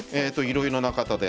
いろいろな方で。